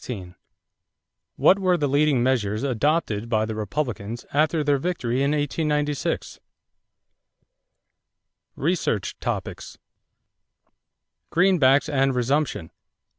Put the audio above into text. What were the leading measures adopted by the Republicans after their victory in 1896? =Research Topics= =Greenbacks and Resumption.